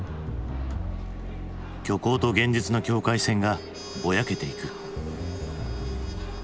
虚構と現実の境界線がぼやけていく。